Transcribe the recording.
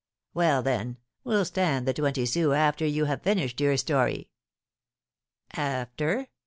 "Well, then, we'll stand the twenty sous after you have finished your story." "After?